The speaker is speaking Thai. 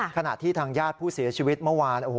ขณะที่ทางญาติผู้เสียชีวิตเมื่อวาน